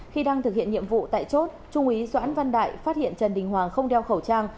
khi đang thực hiện nhiệm vụ tại chốt trung úy doãn văn đại phát hiện trần đình hoàng không đeo khẩu trang